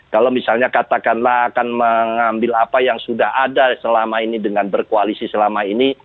kalau misalnya katakanlah akan mengambil apa yang sudah ada selama ini dengan berkoalisi selama ini